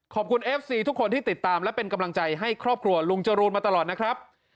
เอฟซีทุกคนที่ติดตามและเป็นกำลังใจให้ครอบครัวลุงจรูนมาตลอดนะครับ